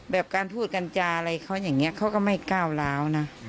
การพูดกัญจาอะไรเขาอย่างนี้เขาก็ไม่ก้าวร้าวนะ